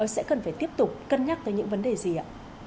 sẽ cần phải tiếp tục cân nhắc tới những vấn đề gì ạ